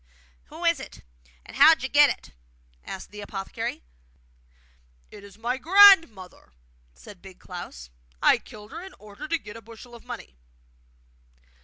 'Who is it, and how did you get it?' asked the apothecary. 'It is my grandmother,' said Big Klaus. 'I killed her in order to get a bushel of money.